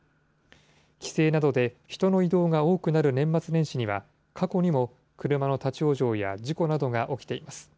帰省などで人の移動が多くなる年末年始には、過去にも車の立往生や事故などが起きています。